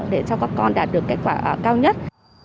để cho các con đạt được kết quả cao nhất